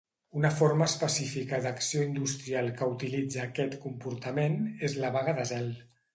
Una forma específica d'acció industrial que utilitza aquest comportament és la vaga de zel.